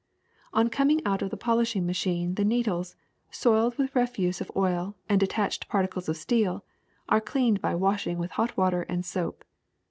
*^0n coming out of the polishing machine the needles, soiled with refuse of oil and detached particles of steel, are cleaned by washing with hot w^ater and soap.